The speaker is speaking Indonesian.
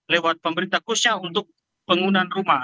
lewat pemerintah khususnya untuk penggunaan rumah